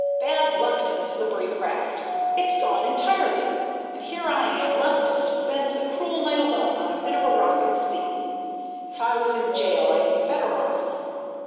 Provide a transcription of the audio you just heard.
Bad luck to the slippery craft! It's gone entirely, and here I am left to spend the cruel night alone on a bit of a rock in the sea. If I was in jail I'd be better off."